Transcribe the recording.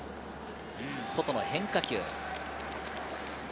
外の変化球。